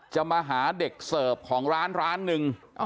จะมาหาเด็กเสิร์ฟของร้านร้านหนึ่ง